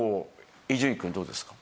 伊集院くんどうですか？